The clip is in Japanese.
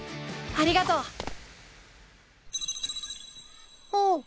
ありがとう！